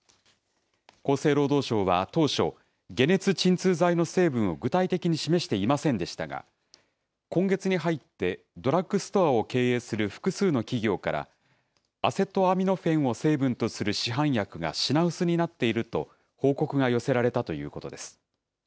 厚生労働省は当初、解熱鎮痛剤の成分を具体的に示していませんでしたが、今月に入ってドラッグストアを経営する複数の企業から、アセトアミノフェンを成分とする市販薬が品薄になっていると、報告が寄せられたということです。